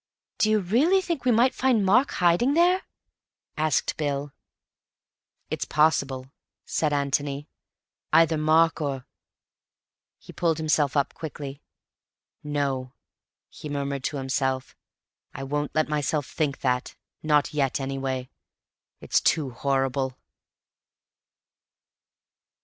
"Do you really think we might find Mark hiding there?" asked Bill. "It's possible," said Antony. "Either Mark or—" He pulled himself up quickly. "No," he murmured to himself, "I won't let myself think that—not yet, anyway. It's too horrible."